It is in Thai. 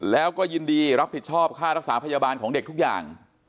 แล้วก็ยินดีรับผิดชอบค่ารักษาพยาบาลของเด็กทุกอย่าง